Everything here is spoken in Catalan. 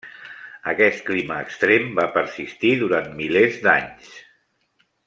Aquest clima extrem va persistir durant milers d'anys.